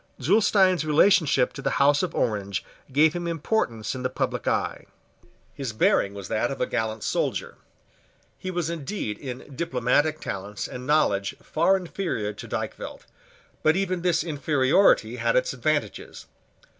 Zulestein's relationship to the House of Orange gave him importance in the public eye. His bearing was that of a gallant soldier. He was indeed in diplomatic talents and knowledge far inferior to Dykvelt: but even this inferiority had its advantages.